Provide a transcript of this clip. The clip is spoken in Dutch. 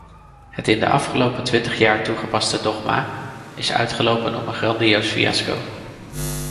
Het in de afgelopen twintig jaar toegepaste dogma is uitgelopen op een grandioos fiasco.